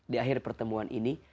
di akhir pertemuan ini